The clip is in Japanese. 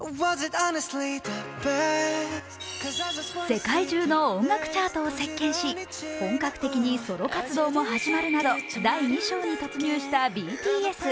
世界中の音楽チャートを席けんし本格的にソロ活動も始まるなど第２章に突入したＢＴＳ。